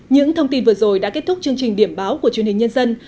những thông tin vừa rồi đã kết thúc chương trình điểm báo của truyền hình nhân dân